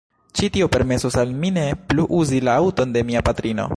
Ĉi tio permesos al mi ne plu uzi la aŭton de mia patrino.